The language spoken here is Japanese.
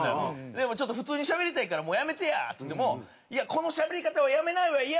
「でもちょっと普通にしゃべりたいからもうやめてや！」って言っても「いやこのしゃべり方はやめないわよー！」